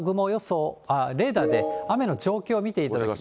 レーダーで雨の状況を見ていただきます。